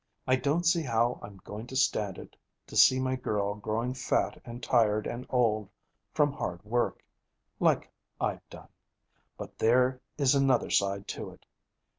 I don't see how I'm going to stand it to see my girl growing fat and tired and old from hard work, like I've done. But there is another side to it.